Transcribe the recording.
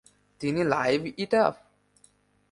তিনি live it up!